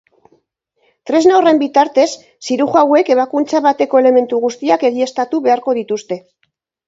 Tresna horren bitartez, zirujauek ebakuntza bateko elementu guztiak egiaztatu beharko dituzte.